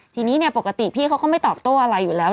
ทีนี้ปกติพี่เขาก็ไม่ตอบโต้อะไรอยู่แล้ว